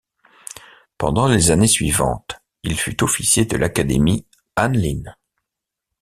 Pendant les années suivantes il fut officier de l'Académie Hanlin.